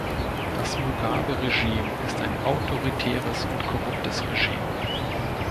Das Mugabe-Regime ist ein autoritäres und korruptes Regime.